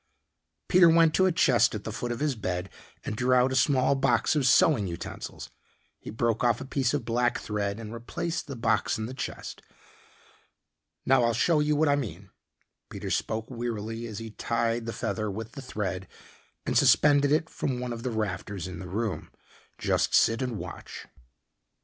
Peter went to a chest at the foot of his bed and drew out a small box of sewing utensils. He broke off a piece of black thread and replaced the box in the chest. "Now I'll show you what I mean," Peter spoke wearily as he tied the feather with the thread and suspended it from one of the rafters in the room. "Just sit and watch."